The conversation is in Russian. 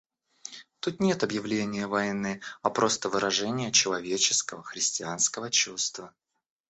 Тут нет объявления войны, а просто выражение человеческого, христианского чувства.